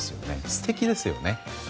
素敵ですよね。